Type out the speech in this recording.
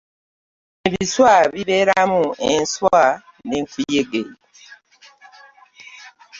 Ebiswa bibeeramu enswa ne nkuyege.